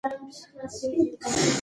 موږ باید خپل ټولنیز مسؤلیت ادا کړو.